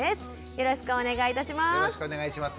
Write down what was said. よろしくお願いします。